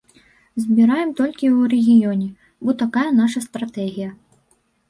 Збіраем толькі ў рэгіёне, бо такая наша стратэгія.